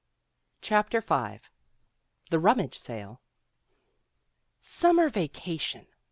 CHAPTER V THE RUMMAGE SALE SUMMER vacation!